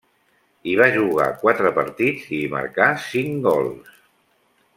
Hi va jugar quatre partits, i hi marcà cinc gols.